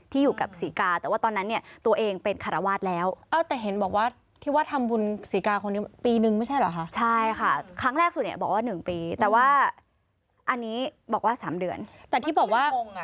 ที่อยู่กับศิกาแต่ว่าตอนนั้นเนี่ยตัวเองเป็นขระวาดแล้ว